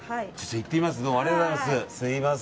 行ってみます。